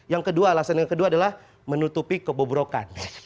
yang kedua alasan yang kedua adalah menutupi kebobrokan